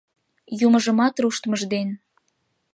Юмыжымат руштмыж ден